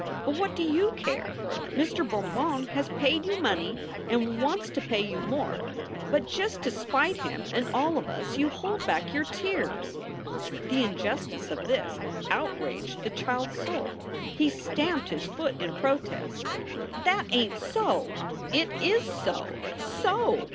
But what do you care? Mr. Bermond has paid you money and wants to pay you more, but just to spite him and all of us you hold back your tears." The injustice of this outraged the child s soul. He stamped his foot in protest. "That ain t so!" "It is so, so!"